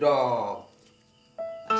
lo terima deh